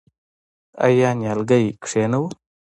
آیا نیالګی کینوو؟